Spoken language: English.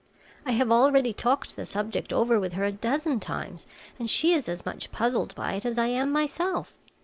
I have already talked the subject over with her a dozen times and she is as much puzzled by it as I am myself.